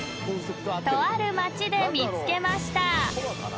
［とある町で見つけました］